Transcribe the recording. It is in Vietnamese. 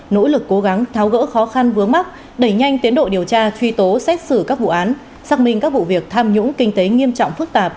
nỗ lực cố gắng tháo gỡ khó khăn vướng mắt đẩy nhanh tiến độ điều tra truy tố xét xử các vụ án xác minh các vụ việc tham nhũng kinh tế nghiêm trọng phức tạp